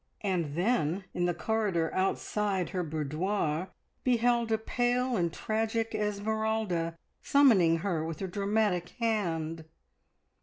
And then, in the corridor outside her boudoir, behold a pale and tragic Esmeralda summoning her with a dramatic hand.